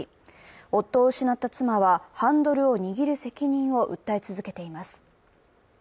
夫を失った妻はハンドルを握る責任を訴え続けています。